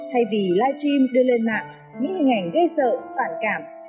thay vì live stream đưa lên mạng những hình ảnh gây sợ phản cảm